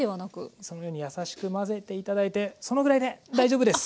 そのように優しく混ぜて頂いてそのぐらいで大丈夫です。